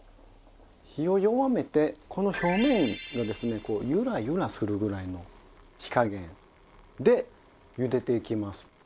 火を弱めてこの表面がですねこうゆらゆらするぐらいの火加減でゆでていきます。